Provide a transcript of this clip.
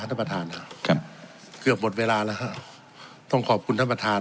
ท่านประธานครับเกือบหมดเวลาแล้วฮะต้องขอบคุณท่านประธาน